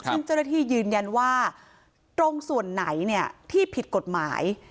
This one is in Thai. ซึ่งเจ้าหน้าที่ยืนยันว่าตรงส่วนไหนที่ผิดกฎหมาย